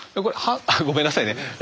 ごめんなさいね。